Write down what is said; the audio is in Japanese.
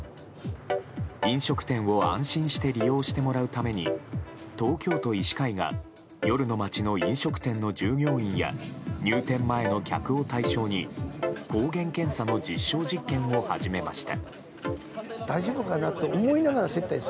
飲食店を安心して利用してもらうために東京都医師会が夜の街の飲食店の従業員や入店前の客を対象に抗原検査の実証実験を始めました。